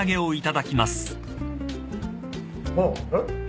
あっえっ？